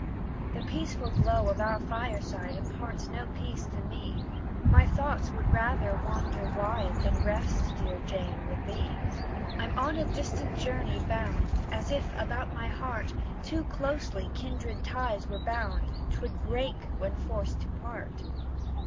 "The peaceful glow of our fireside Imparts no peace to me: My thoughts would rather wander wide Than rest, dear Jane, with thee. I'm on a distant journey bound, And if, about my heart, Too closely kindred ties were bound, 'Twould break when forced to part.